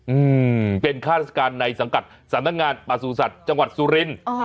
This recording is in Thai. อือเป็นฆ่าราชการในสังกัดสนับนางานปสุศัตริย์จังหวัดสุริน